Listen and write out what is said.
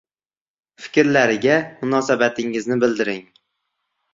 Fikrlariga munosabatingizni bildiring.